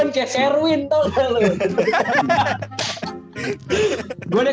gue nih kemarin dengerin podcast lu mau ngomong apa